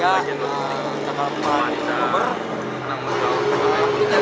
kita dipamerkan setiap seluruh satuan yang ada di kota bandung